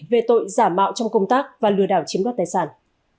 về tội giả mạo trong công tác và lừa đảo chiếm đoạt tài sản